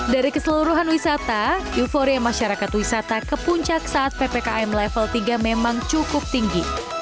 dari keseluruhan wisata euforia masyarakat wisata ke puncak saat ppkm level tiga memang cukup tinggi